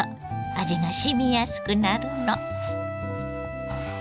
味がしみやすくなるの。